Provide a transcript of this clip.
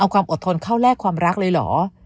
เอาความอดทนเข้าแลกความรักเลยเหรอ